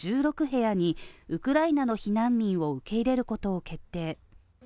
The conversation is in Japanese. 部屋にウクライナの避難民を受け入れることを決定。